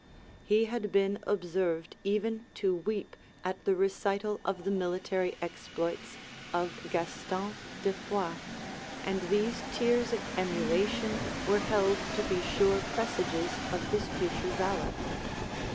He had been observed even to weep at the recital of the military exploits of Gaston de Foix; and these tears of emulation were held to be sure presages of his future valor.